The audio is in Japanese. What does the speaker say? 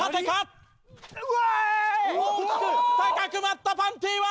高く舞ったパンティは。